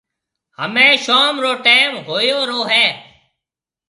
همَي شوم رو ٽيم هوئيو رو هيَ۔